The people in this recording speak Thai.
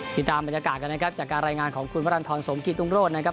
ติดตามบรรยากาศกันนะครับจากการรายงานของคุณวรรณฑรสมกิตรุงโรธนะครับ